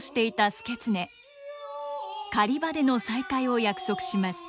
狩場での再会を約束します。